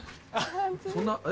そんなえ？